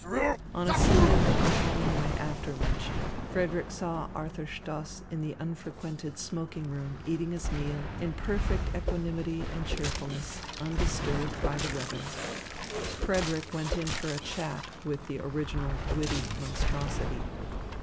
On ascending the companionway after lunch, Frederick saw Arthur Stoss in the unfrequented smoking room eating his meal in perfect equanimity and cheerfulness undisturbed by the weather. Frederick went in for a chat with the original, witty monstrosity.